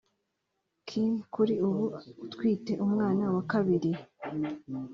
Kim kuri ubu utwite umwana wa kabiri